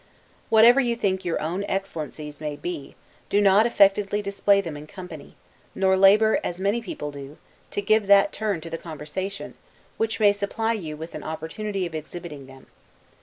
Whatever you think your own excellencies may be, do not affectedly display them in company; nor labor, as many people do, to give that turn to the conversation, which may supply you with an opportunity of exhibiting them.